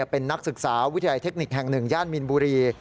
เป็นนักศึกษาวิทยาลัยเทคนิคแห่ง๑ย่านมีนบุรี